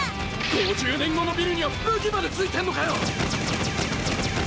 ５０年後のビルには武器まで付いてんのかよ！